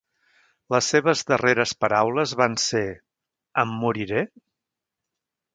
Les seves darreres paraules van ser: "Em moriré?".